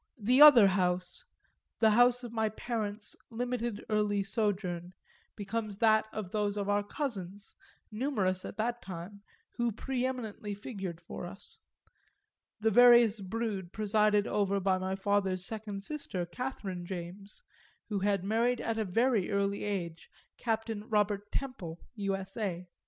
The other house, the house of my parents' limited early sojourn, becomes that of those of our cousins, numerous at that time, who pre eminently figured for us; the various brood presided over by my father's second sister, Catherine James, who had married at a very early age Captain Robert Temple, U.S.A.